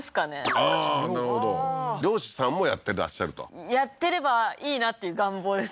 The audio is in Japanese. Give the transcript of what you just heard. ああーなるほどああー猟師さんもやってらっしゃるとやってればいいなっていう願望です